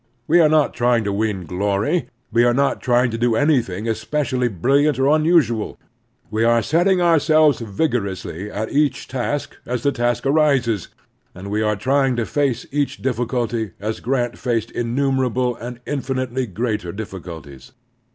We are not trying to win glory. We are not trying to do anything espe cially brilliant or unusual. We are setting our selves vigorously at each task as the task arises, and we are trying to face each difficulty as Grant faced inntimerable and infinitely greater diffi culties.